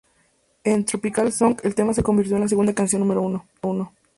En "Tropical Songs" el tema se convirtió en la segunda canción número uno.